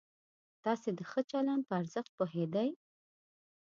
تاسې د ښه چلند په ارزښت پوهېدئ؟